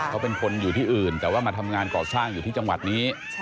เขาเป็นคนอยู่ที่อื่นแต่ว่ามาทำงานก่อสร้างอยู่ที่จังหวัดนี้